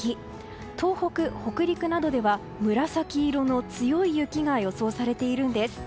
東北、北陸などでは紫色の強い雪が予想されているんです。